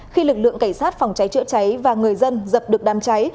khi lực lượng cảnh sát phòng cháy chữa cháy và người dân dập được đám cháy